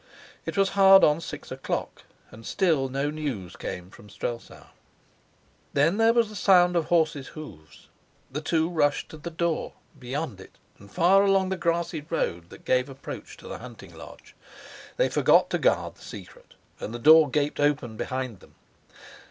It was hard on six o'clock, and still no news came from Strelsau. Then there was the sound of a horse's hoofs. The two rushed to the door, beyond it, and far along the grassy road that gave approach to the hunting lodge. They forgot to guard the secret and the door gaped open behind them.